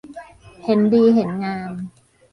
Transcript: เห็นดีเห็นงาม